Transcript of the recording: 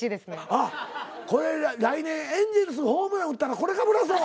あっこれ来年エンゼルスホームラン打ったらこれかぶらそう。